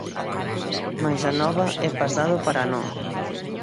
Mais Anova é pasado para nós.